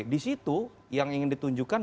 di situ yang ingin ditunjukkan